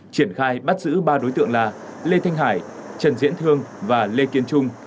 triển khai bắt giữ ba đối tượng là lê thanh hải trần diễn thương và lê kiên trung